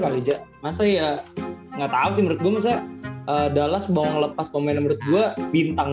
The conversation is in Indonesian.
aja masa ya nggak tahu sih menurut gue masalah dallas bawa lepas pemain menurut gua bintang